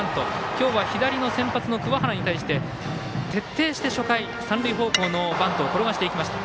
今日は左の先発の桑原に対して徹底して初回、三塁方向のバントをころがしていきました。